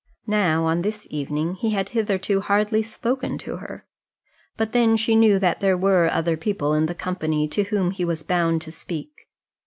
Now, on this evening, he had hitherto hardly spoken to her; but then she knew that there were other people in the company to whom he was bound to speak.